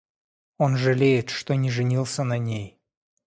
Он жалеет, что не женился на ней.